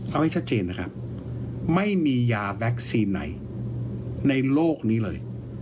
เอาให้ชัดเจนนะครับไม่มียาแบ็คซีนไหนในโลกนี้เลย